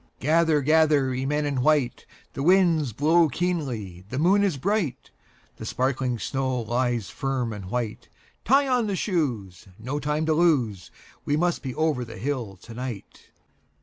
Gather, gather, ye men in white; The winds blow keenly, the moon is bright, The sparkling snow lies firm and white; Tie on the shoes, no time to lose, We must be over the hill to night.